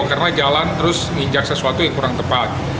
karena jalan terus nginjak sesuatu yang kurang tepat